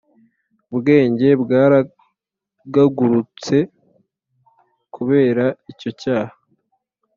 Ubwenge bwaragagurutse kubera icyo cyaha